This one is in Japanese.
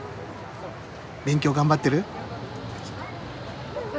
勉強頑張ってる？